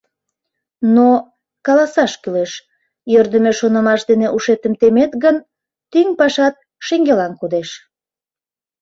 Но, каласаш кӱлеш, йӧрдымӧ шонымаш дене ушетым темет гын, тӱҥ пашат шеҥгелан кодеш.